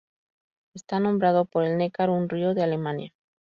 Está nombrado por el Neckar, un río de Alemania.